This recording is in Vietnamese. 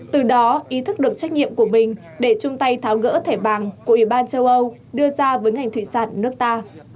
từ đó ý thức được trách nhiệm của mình để chung tay tháo gỡ thẻ vàng của ủy ban châu âu đưa ra với ngành thủy sản nước ta